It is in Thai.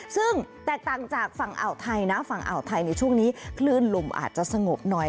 ซึ่งแตกต่างจากฝั่งอ่าวไทยนะฝั่งอ่าวไทยในช่วงนี้คลื่นลมอาจจะสงบหน่อย